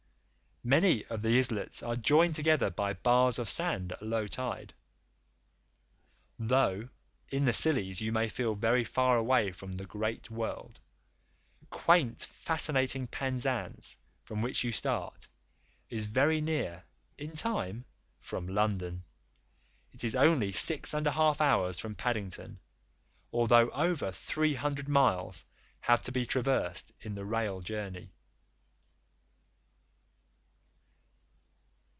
Many of the islets are joined together by bars of sand at low tide. Though in the Scillies you may feel very far away from the great world, quaint, fascinating Penzance, from which you start, is very near in time from London. It is only six and a half hours from Paddington, although over 300 miles have to be traversed in the rail journey.